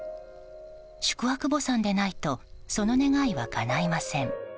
宿泊墓参でないとその願いはかないません。